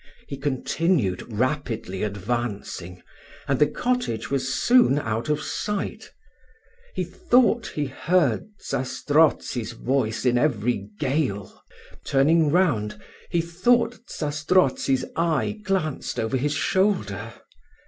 He continued rapidly advancing, and the cottage was soon out of sight. He thought that he heard Zastrozzi's voice in every gale. Turning round, he thought Zastrozzi's eye glanced over his shoulder.